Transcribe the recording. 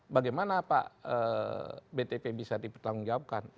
bagaimana pak btp bisa dipertanggung jawabkan